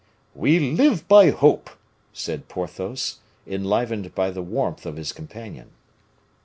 "We live by hope," said Porthos, enlivened by the warmth of his companion.